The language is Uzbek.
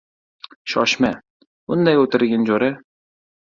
— Shoshma, munday o‘tirgin, jo‘ra!